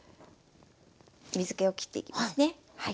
水けをきっていきますね。